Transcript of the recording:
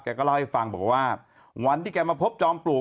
ก็เล่าให้ฟังบอกว่าวันที่แกมาพบจอมปลวก